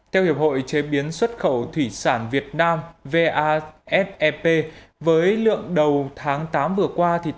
theo hiệp hội chế biến xuất khẩu thủy sản việt nam vasep với lượng đầu tháng tám vừa qua